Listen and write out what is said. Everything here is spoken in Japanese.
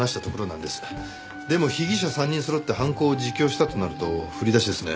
でも被疑者３人そろって犯行を自供したとなると振り出しですね。